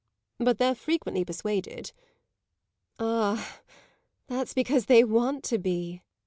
"But they're frequently persuaded." "Ah, that's because they want to be!"